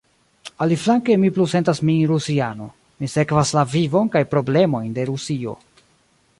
Aliflanke, mi plu sentas min rusiano: mi sekvas la vivon kaj problemojn de Rusio.